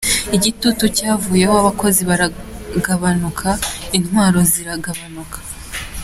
Igitutu cyavuyeho, abakozi baragabanuka, intwaro ziragabanuka.